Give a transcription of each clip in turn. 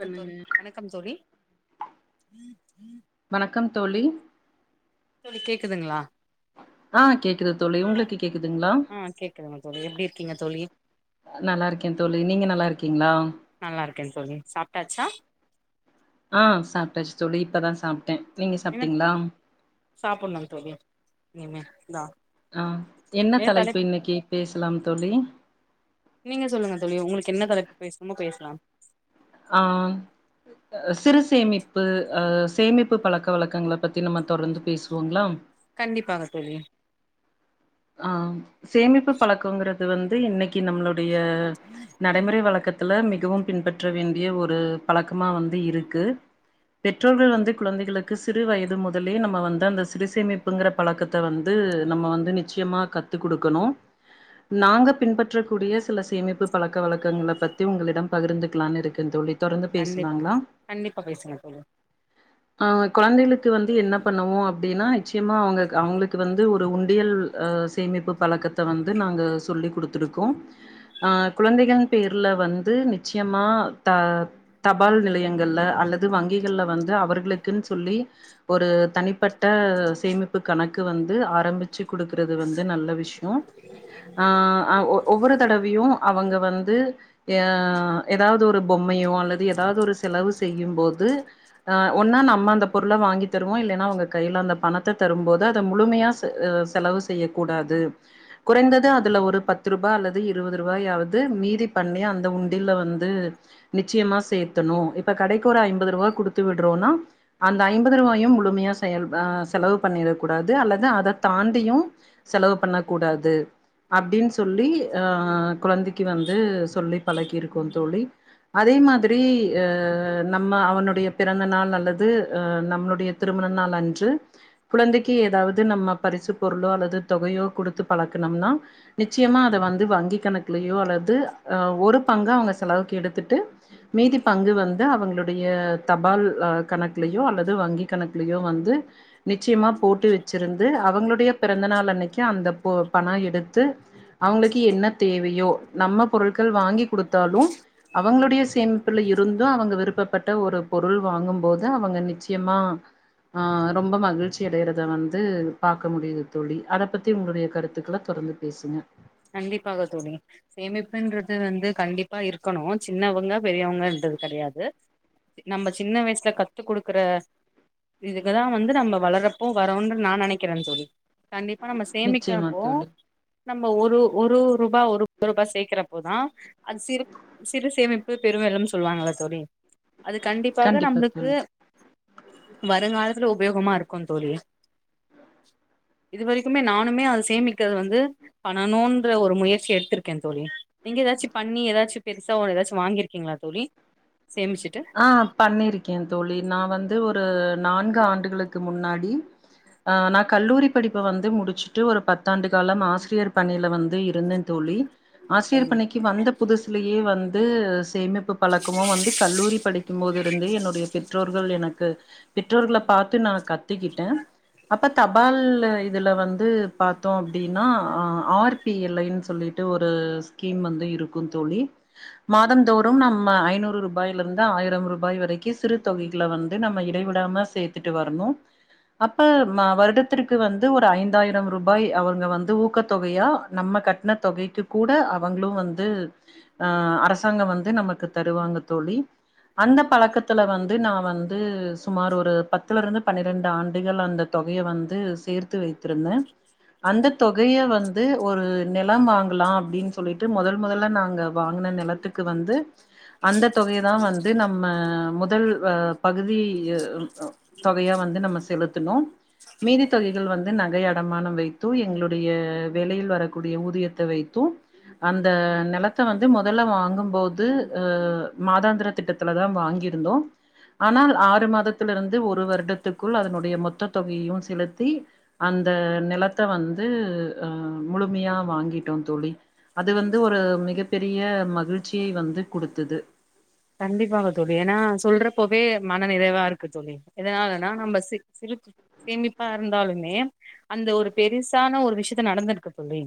பண்ணுங்க தோழி வணக்கம் தோழி வணக்கம் தோழி தோழி கேக்குதுங்ளா ஆ கேக்குது தோழி உங்களுக்கு கேக்குதுங்ளா ஆ கேக்குதுங்க தோழி எப்டி இருக்கீங்க தோழி நல்லா இருக்கேன் தோழி நீங்க நல்லா இருக்கீங்ளா நல்லாருக்கேன் தோழி சாப்ட்டாச்சா ஆ சாப்ட்டாச்சு தோழி இப்பதான் சாப்ட்டேன் நீங்க சாப்ட்டீங்ளா சாப்பனுந் தோழி இனிமேதா ஆ என்ன தலைப்பு இன்னைக்கு பேசலாம் தோழி நீங்க சொல்லுங்க தோழி உங்களுக்கு என்ன தலைப்பு பேசுனுமோ பேசலாம் ஆ சிறு சேமிப்பு அ சேமிப்பு பழக்க வழக்கங்கள பத்தி நம்ம தொடர்ந்து பேசுவோங்ளா கண்டிப்பாங்க தோழி ஆ சேமிப்பு பழக்கங்கறது வந்து இன்னைக்கு நம்மளோடய ந நடைமுறை வழக்கத்துல மிகவும் பின்பற்ற வேண்டிய ஒரு பழக்கமா வந்து இருக்கு பெற்றோர்கள் வந்து கொழந்தைகளுக்கு சிறு வயது முதலே நம்ம வந்து அந்த சிறு சேமிப்புங்கிற பழக்கத்த வந்து நம்ம வந்து நிச்சயமா கத்து குடுக்கணு நாங்க பின்பற்றக்கூடிய சில சேமிப்பு பழக்க வழக்கங்கள பத்தி உங்களிடம் பகிர்ந்துக்கலான்னு இருக்கன் தோழி தொடர்ந்து கண்டிப்பா பேசுளாங்களா கண்டிப்பா பேசுங்க தோழி ஆ குழந்தைகளுக்கு வந்து என்ன பண்ணுவோம் அப்டின்னா நிச்சயமா அவங்க அவங்களுக்கு வந்து ஒரு உண்டியல் அ சேமிப்பு பழக்கத்தை வந்து நாங்க சொல்லி கொடுத்துருக்கோம் அ குழந்தைகள் பேர்ல வந்து நிச்சயமா த தபால் நிலையங்கள்ல அல்லது வங்கிகள்ல வந்து அவர்களுக்குன்னு சொல்லி ஒரு தனிப்பட்ட சேமிப்பு கணக்கு வந்து ஆரம்பிச்சு கு குடுக்கறது வந்து நல்ல விஷ்யோ அ ஆ ஒ ஒவ்வொரு தடவயும் அவங்க வந்து எ ஏதாவது ஒரு பொம்மையோ அல்லது ஏதாவது ஒரு செலவு செய்யும் போது ஆ ஒன்னா நம்ம அந்தப் பொருள வாங்கித் தருவோம் இல்லேன்னா அவுங்க கையில அந்த பணத்த தரும் போது அத முழுமையா செ செ செலவு செய்யக் கூடாது குறைந்தது அதுல ஒரு பத்து ரூபா அல்லது இருபது ரூவாயாவது மீதி பண்ணி அந்த உண்டியல்ல வந்து நிச்சயமா சேர்த்தணும் இப்ப கடைக்கு ஒரு ஐம்பது ரூவா குடுத்து விடுறோம்னா அந்த ஐம்பது ரூவாயும் முழுமையா செயல்ஆ செலவு பண்ணிரக் கூடாது அல்லது அதத்தாண் ண்டியும் செலவு பண்ணக் கூடாது அப்டின்னு சொல்லி அ குழந்தைக்கு வந்து சொல்லி பழக்கிருக்கோம் தோழி அதே மாதிரி அ நம்ம அவனுடைய பிறந்த நாள் அல்லது அ நம்மளுடைய திருமண நாள் அன்று குழந்தைக்கு ஏதாவது நம்ம பரிசுப் பொருளோ அல்லது தொகையோ குடுத்து பழக்கினோம்னா நிச்சயமா அத வந்து வங்கிக் கணக் க்குலேயோ அல்லது அஹ் ஒ பங்க அவங்க செலவுக்கு எடுத்துட்டு மீதி பங்கு வந்து அவங்களுடைய தபால் அ கணக்குலயோ அல்லது வங்கிக் கணக்குலயோ வந்து நிச்சயமா போட்டு வச்சிருந்து அவங்களுடைய பிறந்தநாள் அன்னக்கி அந்த பொ பணோ எடுத்து அவங்களுக்கு என்னத் தேவையோ நம்ம பொருட்கள் வாங்கிக் குடுத்தாலும் அவங்களுடைய சேமிப்புல இருந்தும் அவங்க விருப்பப்பட்ட ஒரு பொருள் வாங்கும்போது அவங்க நிச்சயமா ஆ ரொம்ப மகிழ்ச்சி அடையிறத வந்து பாக்க முடியுது தோழி அதப் பத்தி உங்களுடைய கருத்துக்களை தொடர்ந்து பேசுங்க கண்டிப்பாக தோழி சேமிப்புன்றது வந்து கண்டிப்பா இருக்கணும் சின்னவங்க பெரியவங்கன்றது கெடையாது நம்ம சின்ன வயசுல கத்துக் குடுக்குற இதுக்குதான் வந்து நம்ம வளர்றப்போ வரோன்று நான் நெனக்கிறேன் தோழி கண்டிப்பா நம்ம நிச்சயமா சேமிக்கிறம்ப்போ தோழி ஒரு ஒரு ஒரு ரூபா ஒரு ரூபா சேர்க்கிறப்போதான் அது சிறப் சிறு சேமிப்பு பெரு வெள்ளம்னு சொல்லுவாங்கல்ல தோழி அது கண்டிப்பாக கண்டிப்பா நம்மளுக்கு தோழி வருங்காலத்துல உபயோகமா இருக்கும் தோழி இது வரைக்குமே நானுமே அது சேமிக்கிறது வந்து பண்ணனும்ன்ற ஒரு முயற்சி எடுத்திருக்கேன் தோழி நீங்க ஏதாச்சும் பண்ணி ஏதாச்சும் பெருசா ஒரு ஏதாச்சும் வாங்கியிருக்கீங்களா தோழி சேமிச்சுட்டு ஆ பண்ணிருக்கேன் தோழி நான் வந்து ஒரு நான்கு ஆண்டுகளுக்கு முன்னாடி நான் கல்லூரி படிப்ப வந்து முடிச்சுட்டு ஒரு பத்தாண்டு காலம் ஆசிரியர் பணியில வந்து இருந்தேன் தோழி ஆசிரியர் பணிக்கு வந்த புதுசுலேயே வந்து சேமிப்பு பழக்கமும் வந்து கல்லூரி படிக்கும் போது இருந்து என்னுடைய பெற்றோர்கள் எனக்கு பெற்றோர்களப் பாத்து நான் கத்துக்கிட்டேன் அப் இப்போ தபால் இதில வந்து பார்த்தோம் அப்டின்னா ஆர் பி எல் ஐ ன்னு சொல்லிட்டு ஒரு ஸ்கீம் வந்து இருக்கும் தோழி மாதம் தோறும் நம்ம ஐநூறு ரூபாயில லர்ந்து ஆயிரம் ரூபாய் வரைக்கும் சிறு தொகைகள வந்து நம்ம இடைவிடாம சேர்த்துட்டு வரணும் அப்ப ம வருடத்திற்கு வந்து ஒரு ஐந்தாயிரம் ரூபாய் அவங்க வந்து ஊக்கத்தொகையா நம்ம கட் கட்ன தொகைக்கு கூட அவங்ளு வந்து ஆ அரசாங்கம் வந்து நமக்கு தருவாங்க தோழி அந்த பழக்கத்துல வந்து நா வந்து சுமார் ஒரு பத்துல இருந்து பனிரெண்டு ஆண்டுகள் அந்த தொகைய வந்து சேர்த்து வைத்திருந்த அந்த தொகைய வந்து ஒரு நிலம் வாங்கலா அப்டின் சொல்லிட்டு மொதல் மொதல்ல நாங்க வாங்கன நிலத் த்துக்கு வந்து அந்த தொகைய தா வந் து வந்து நம்ம முதல் அ பகுதி ய தொகையா வந்து நம்ம செலுத்தனு மீதி தொகைகள் வந்து நகை அடமானம் வைத்து எங்களுடைய வேளையில் வரக்கூடிய ஊதியத்தை வைத்து அந்த நிலத்த வந்து மொதல்ல வாங்கும்போது அ மாதாந்தர திட்டத்துல தா வாங்கியிருந்தோ ஆனால் ஆறு மாதத்தில இருந்து ஒரு வருடத்துக்குள் அதனுடைய மொத்த தொகையையு செலுத்தி அந்த நிலத்த வந்து அ முழுமையா வாங்கிடோ தோழி அது வந்து ஒரு மிக பெரிய மகிழ்ச்சி வந்து குடுத்தது கண்டிப்பாவ தோழி ஏனா சொல்றப்பவே மன நிறைவா இருக்கு தோழி எதனாலனா நம்ம சில் சிலு சேமிப்பா இருந்தாலுமே அந்த ஒரு பெருசான ஒரு விஷயத்த நடந்திருக்கு தோழி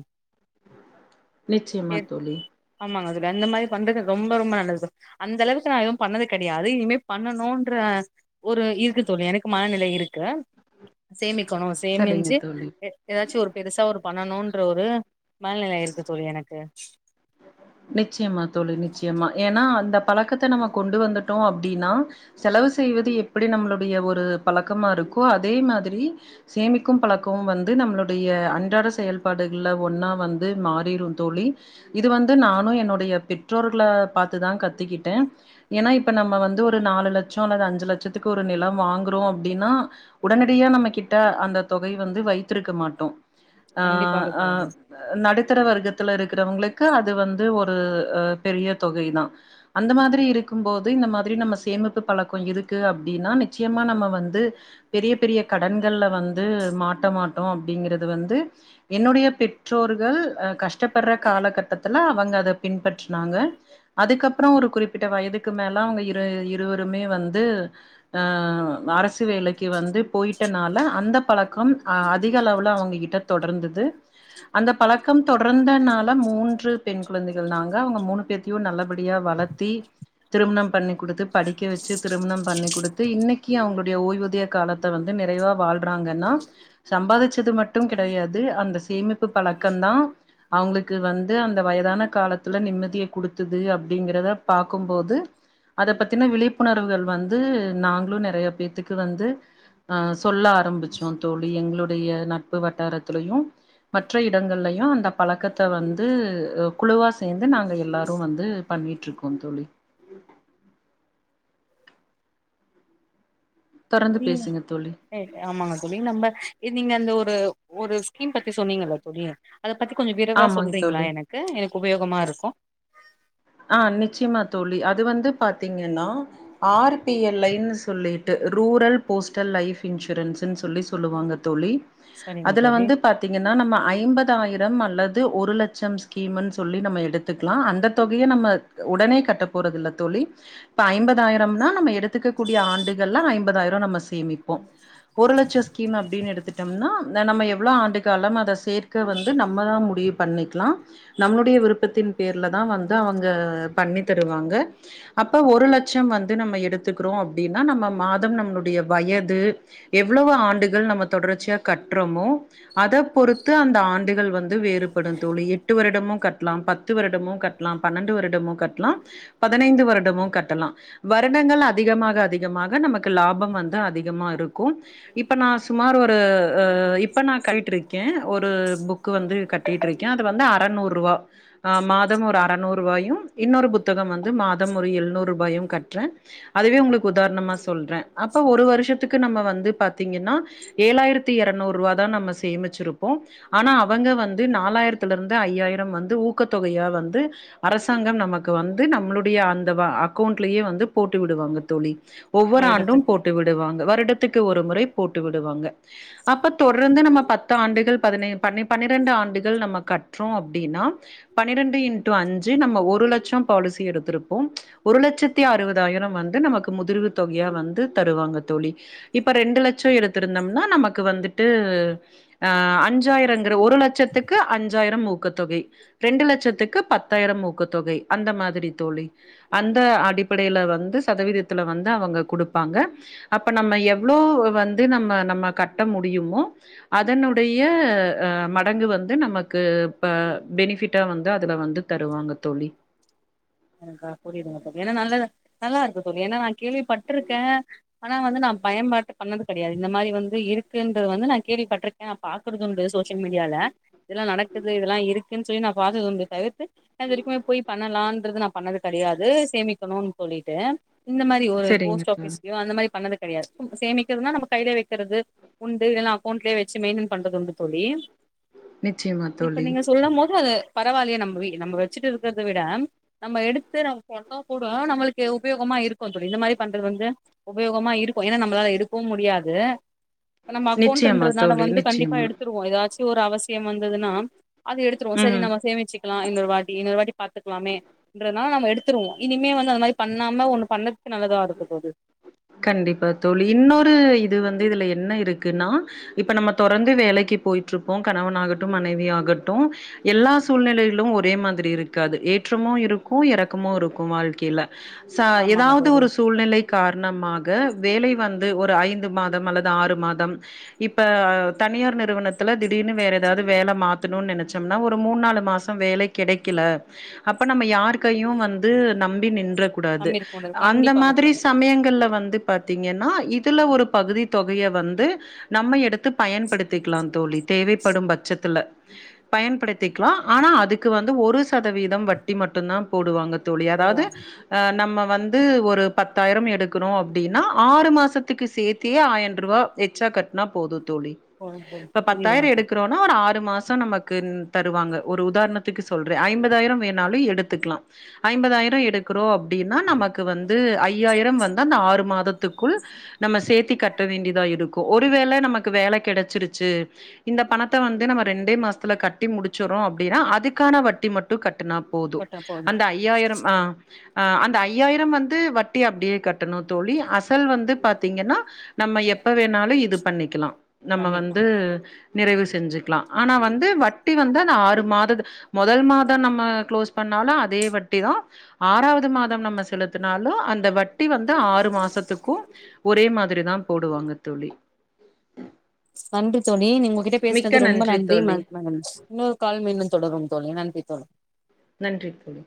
நிச்சயமா தோழி ஆமாங்க அந்த மாரி பண்றது ரொம்ப ரொம்ப நல்லது அந்த அளவுக்கு நா எதுவு பண்ணது கடையாது இனிமே பண்ணணுன்ற ஒரு இருக்கு தோழி எனக்கு மனநிலை இருக்கு சேமிக்கணு சரிங்க சேமி்ன்சு தோழி ஏதாச்சு ஒரு பெருசா ஒரு பண்ணணுன்ற ஒரு மனநிலை இருக்கு தோழி எனக்கு நிச்சயமா தோழி நிச்சயமா ஏனா அந்த பழக்கத்த நம்ம கொண்டு வந்துட்டோ அப்டினா செலவு செய்வது எப்டி நம்ளுடைய ஒரு பழக்கமா இருக்கோ அதே மாதிரி சேமிக்கும் பழக்கமும் வந்து நம்ளுடைய அன்றாட செயல்பாடுகள்ல ஒன்னா வந்து மாறிரு தோழி இது வந்து நானும் என்னுடைய பெற்றோர்கள பாத்துதா கத்துகிட்ட ஏனா இப்ப நம்ம வந்து ஒரு நாலு லட்சம் அல்லது அஞ்சு லட்சத்துக்கு ஒரு நிலம் வாங்குறோ அப்டினா உடனடியா நம்ம கிட்ட அந்த தொகை வந்து வைத்திருக்க மாட்டோ அ கண்டிப்பாக அ தோழி நடுத்தர வர்க்கத்துல இருக்கிறவங்களுக்கு அது வந்து ஒரு அ பெரிய தொகை தா அந்த மாதிரி இருக்கும்போது இந்த மாதிரி நம்ம சேமிப்பு பழக்கம் இருக்கு அப்டினா நிச்சயமா நம்ம வந்து பெரிய பெரிய கடன்கள்ல வந்து மாட்டமாட்டோ அப்டிங்கறது வந்து என்னுடைய பெற்றோர்கள் அ கஷ்டபட்ற காலகட்ட ஆனா அவங்க அத பின்பற்றுனாங்க அதுக்கப்ரோ ஒரு குறிப்பிட்ட வயதுக்கு மேல அவங்க இரு இருவருமே வந்து அஅரசு வேலைக்கு வந்து போயிட்டனால அந்த பழக்கம் அதிகளவுல அவங்க கிட்ட தொடர்ந்தது அந்த பழக்கம் தொடர்ந்தனால மூன்று பெண் குழந்தைகள் நாங்க அவங்க மூணு பேத்தையு நல்லபடியா வளத்தி திருமணம் பண்ணி் குடுத்து படிக்க வச்சு திருமணம் பண்ணி் குடுத்து இன்னக்கி அவுங்ளுடைய ஓய்வூதிய காலத் த்த வந்து நிறைவா வாழ்றாங்கன்னா சம்பாதிச்சது மட்டும் கிடையாது அந்த சேமிப்பு பழக்கம் தா அவங்ளுக்கு வந்து அந் இந்த வயதான காலத்துல நிம்மதிய குடுத்துது அப்டிங்கறத பாக்கும்போது அத பத்தினா விழிப்புணர்வுகள் வந்து நாங்ளும் நிறைய பேத்துக்கு வந்து அ சொல்ல ஆரம்பிச்சோ தோழி எங்ளுடைய நட்பு வட்டாரத்துலையு மற்ற இடங்கள்லையு அந்த பழக்கத்த வந்து குழுவா சேந்து நாங்க எல்லாரு வந்து பண்ணிட்ருக்கோ தோழி தொறந்து பேசுங்க தோழி எ ஆமாங்க தோழி நம்ப நீங்க அந்த ஒரு ஒரு ஸ்கிம் பத்தி சொன்னீங்கல்ல தோழி அத பத்தி கொஞ்ச விரைவா ஆமாங் சொல்றீங்ளா தோழி எனக்கு எனக்கு உபயோகமாருக்கு ஆ நிச்சயமா தோழி அது வந்து பாத்தீங்கன்னா ஆர் பிஎல் ஐ சொல்லிட்டு ரூரல் போஸ்டல் லைப் இன்சூரன்ஸ்ன்னு சொல்லி சொல்லுவாங்க தோழி சரிங்க அதுல தோழி வந்து பாத் ங்கன்னா நம்ம ஐம்பது ஆயிரம் அல்லது ஒரு லட்சம் ஸ்கீம்னு சொல்லி நம்ம எடுத்துக்லா அந்த தொகையு நம்ம உடனே கட்டப்போறதுல்ல தோழி இப்ப ஐம்பதாயிரம்னா நம்ம எடுத்துக்க கூடிய ஆண்டுகள்ள ஐம்பதாயிரோ நம்ம சேமிப்போ ஒரு லட்ச ஸ்கீம் அப்டின் எடுத்துட் டம்னா நம்ம எவ்ளோ ஆண்டு காலம் அத சேர்க்க வந்து நம்ம தா முடிவு பண்ணிக்லா நம்ளுடைய விருப்பத்தின் பேர்லதா வந்து அவுங்க பண்ணி தருவாங்க அப்ப ஒரு லட்சம் வந்து நம்ம எடுத்துக்றோ அப்டினா நம்ம மாதம் நம்ளுடைய வயது எவ்ளவு ஆண்டுகள் நம்ம தொடர்ச்சியா கட்றமோ அத பொறுத்து அந்த ஆண்டுகள் வந்து வேறுபடு தோழி எட்டு வருடமு கட்லா பத்து வருடமு கட் லா பன்னன்டு வருடமு கட்லா பதினைந்து வருடமு கட்டலா வருடங்கள் அதிகமாக அதிகமாக நமக்கு லாபம் வந்து அதிகமா இருக்கு இப்ப நா சுமார் ஒரு இப்ப நா கழ்ட்டு இருக்கே ஒரு புக் கு வந்து கட்டிட்டுருக்கே அது வந்து அறநூறு ரூவா மாதம் ஒரு அக் அற்நூறுவாயு இன்னொரு புத்தகம் வந்து மாதம் ஒரு எழ்நூறு ரூபாயு கட்றே அதுவே உங்ளுக்கு உதாரணமா சொல்றே அப்ப ஒரு வருஷத்துக்கு நம்ம வந்து பாத்தீங்கனா ஏழாயிரத்தி எறநூருவா தா நம்ம சேமிச்சிருப்போ ஆனா அவங்க வந்து நாலாயிரத்துலருந்து ஐயாயிரம் வந்து ஊக்கத்தொகையா வந்து அரசாங்கம் நமக்கு வந்து நம்ளுடய அந்த வ அக்கொண்ட்லேயே வந்து போட்டு விடுவாங்க தோழி ஒவ்வொரு ஆண்டும் வருடத்துக்கு போட்டு விடுவாங்க வருடத்துக்கு ஒரு முறை போட்டு விடுவாங்க அப்ப தொரந்து நம்ம பத்து ஆண்டுகள் பதினை பனி பன்னிரண்டு ஆண்டுகள் நம்ம கட்றோ அப்டினா பன்னிரண்டு இன்டு அஞ்சு நம்ம ஒரு லட்சோ பாலிசி எடுத்துருப்போ ஒரு லட்சத்தி அறுவதாயிரம் வந்து நமக்கு முதிர்வு தொகையா வந்து தருவாங்க தோழி இப்ப ரெண்டு லட்சோ எடுத்திருந்தம்னா நமக்கு வந்துட்டு ஆ அஞ்சாயிரங்ற ஒரு லட்சத்துக்கு அஞ்சாயிரம் ஊக்கத்தொகை ரெண்டு லட்சத்துக் கு பத்தாயிரம் ஊக்கத் தொகை அந்த மாதிரி தோழி அந்த அடிப்படைல வந்து சதவீதத்துல வந்து அவுங்க குடுப்பாங்க அப்ப நம்ம எவ்ளோ வந்து நம்ம நம்ம கட்ட முடியுமோ அதனுடய அ மடங்கு வந்து நமக்கு ப்ப பெனிஃபிட்டா வந்தா இதுல வந்து தருவாங்க தோழி எனக்கா புரியுதுங்க தோழி ஏனா நல்லத நல்லாருக்கு தோழி ஏனா நா கேள்விபட்ருக்கே ஆனா வந்து நா பயன்பாட்டு பண்ணது கெடயாது இந்த மாரி வந்து இருக்குன்றது வந்து நா கேள்விப்பட்ருக் ஏனா பாக்றதுண்டு சோசியல் மீடியால இதெல்லா நடக்குது இதெல்லா இருக்குன் சொல்லி நா பாத்தது உண்டு தவிர்த்து நா இது வரைக்குமே போய் பண்ணலான்றது நா பண்ணது கெடயாது சேமிக்கணுன் சொல்லிட்டு இந்த மாரி ஒரு சரிங்க போஸ்ட் தோழி ஆஃபிஸ்லயோ அந்த மாரி பண்ணது கெடயாது சேமிக்றதுனா நம்ம கைய்ல வக்கிறது உண்டு இல்லனா அக்கௌண்ட்லய வச்சு மெயின்டன் பண்றதுண்டு தோழி நிச்சயமா இப்ப தோழி நீங்க சொல்லு போது பரவால்லயே நம்ப வி நம்ப வச்சுட்டு இருக்றத விட நம்ம எடுத்து நம்ம கொண்ட கூடயோ நம்மளுக்கு உபயோகமா இருக்கு தோழி இந்த மாரி பண்றது வந்து உபயோகமா இருக்கு ஏன்னா நம்மளால எடுக்கவு முடியாது இப்ப நம்ம நிச்சயமா அக்கௌண்ட்ன்றதுனால தோழி வந்து கண்டிப்பா நிச்சயமா எடுத்து ஏதாச்சு ஒரு அவசியம் வந்ததுன்னா அது எடுத்துவம் சரி ம் நம்ம சேமிச்சு க்கலாம் இன்னருவட்டி இன்னருவட்டி பாத்துக்கலாமே ன்றதனால நம் எடுத்துடுவோ இனிமே வந்து அந்த மாரி பண்ணாம ஒண்ணு பண்ணதுக்கு நல்லதா இருக்க போவுது கண்டிப்பா தோழி இன்னொரு இது வந்து இதுல என்ன இருக்குன்னா இப்ப நம்ம தொறந்து வேலைக்கு போயிட்டுருப்போ கணவன் ஆாகட்டும் மனைவி ஆாகட்டும் எல்லா சூழ்நிலைலும் ஒரே மாரி இருக்காது ஏற்றமும் இருக்கும் எறக்கமும் இருக்கும் வாழ்க்கைல ச ஆமாங்க ஏதாவது தோழி ஒரு சூழ்நிலை ணமாக வேலை வந்து ஒரு ஐந்து மாதம் அல்லது ஆறு மாதம் இப்ப தனியார் நிறுவனத்துல திடீர்னு வேற ஏதாது வேல மாத்தணுனு நனச்சம்னா ஒரு மூணு நாலு மாசம் வேல கிடைக்கல அப்ப நம்ம யார்கையும் வந்து நம்பி நின்ற கூடாது நம்பி இருக்க முடியாது அந்த கண்டிப்பாக மாரி தோழி சமயங்கள் வந்து பாத்தீங்கன்னா இதுல ஒரு பகுதி தொகைய வந்து நம்ம எடுத்து பயன்படுத்திக்கலா தோழி தேவைப்படும் பட்சத்துல பயன்படுத்திக்கலாம் ஆனா அதுக்கு வந்து ஒரு சதவீதம் வட்டி மட்டும்தா போடுவாங்க தோழி அதாது போடுவா நம்ம வந்து ஒரு பத்தாயிரம் எடுக்க இருக்றோம் அப்டின்னா ஆறு மாசத்துக்கு சேத்தியே ஆயிரம் ரூபா எச்சா கட்னா போதும் தோழி போடு தோழி இப்ப புரியுதுங்க பத்தாயிரம் தோழி எடுக்கறோ ஒரு ஆறு மாசம் நமக்கு தருவாங்க ஒரு உதாரணத்துக்கு சொல்ற ஐம்பதாயிரம் வேணாலும் எடுத்துக்லாம் ஐம்பதாயிரம் எடுக்றோம் அப்டின்னா நமக்கு வந்து ஐயாயிரம் வந்து அந்த ஆறு மாதத்துக்குள் நம்ம சேத்தி கட்ட வேண்டியதா இருக்கு ஒருவேள நமக்கு வேல கெடச்சிருச்சு இந்த பணத்த வந்து நம்ம ரெண்டே மாசத்துல கட்டி முடிச்சறோம் அப்டின்னா அதுக்கான வட்டி மட்டு கட்டுனா போது போட்டா போது அந்த ஐயாயிரம் அ அந்த ஐயாயிரம் வந்து வட்டி அப்டியே கட் டணும் தோழி அசல் வந்து பாத்தீங்கன்னா நம்ம எப்ப வேணாலு இது பண்ணிக்கலா நம்ம பண்ணிக்கலா வந்து நிறைவு செஞ்சுக்கலா ஆனா வந்து வட்டி வந்து ஆனா ஆறு மாதத் மொதல் மாதம் நம்ம க்ளோஸ் பண்ணாலு அதே வட்டி தா ஆறாவது மாதம் நம்ம செலுத்தினாலு அந்த வட் டி வந்து ஆறு மாசத்துக்கும் ஒரே மாதிரி தா போடுவாங்க தோழி நன்றி தோழி நீ உங்கட்ட மிக்க பேசுனது ரொம்ப நன்றி ம தோழி ம இன்னொரு கால்ல மீண்டு தொடரு தோழி நன்றி தோழி நன்றி தோழி